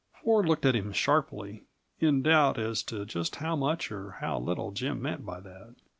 Ford looked at him sharply, in doubt as to just how much or how little Jim meant by that.